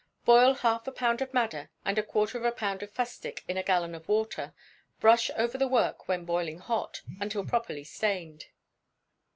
Boil half a pound of madder and a quarter of a pound of fustic in a gallon of water; brush over the work when boiling hot, until properly stained.